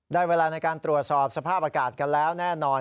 เวลาในการตรวจสอบสภาพอากาศกันแล้วแน่นอน